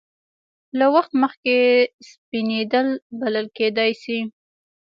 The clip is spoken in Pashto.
له وخت مخکې سپینېدل بلل کېدای شي.